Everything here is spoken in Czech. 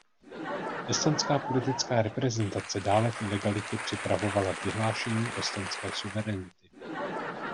Estonská politická reprezentace dále v ilegalitě připravovala vyhlášení estonské suverenity.